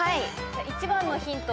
１番のヒント